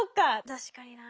確かにな。